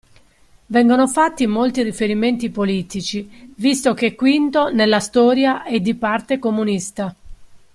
Vengono fatti molti riferimenti politici visto che Quinto nella storia è di parte comunista.